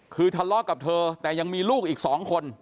คือทะเลาะกับเธอแต่ยังมีลูกอีก๒คน